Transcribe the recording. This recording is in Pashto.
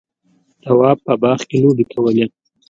تواب په باغ کې لوبې کولې.